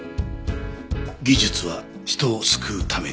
「技術は人を救うためにある」。